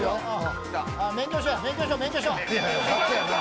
免許証や、免許証。